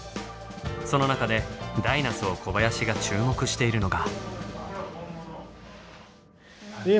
その中でダイナソー小林が注目しているのが。